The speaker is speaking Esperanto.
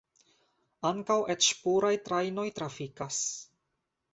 Ankaŭ et-ŝpuraj trajnoj trafikas.